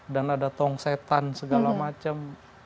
dan ada tong setan segala macam